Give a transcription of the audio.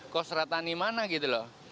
kos ratani mana gitu loh